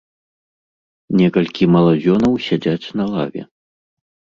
Некалькі маладзёнаў сядзяць на лаве.